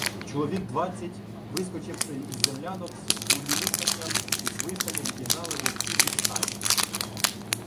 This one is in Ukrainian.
Чоловік двадцять, вискочивши із землянок із гулюканням і свистами, відігнали вовків від стайні.